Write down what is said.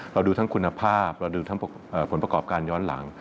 เราดูทั้งคุณภาพเราดูทั้งผลประกอบการย้อนหลัง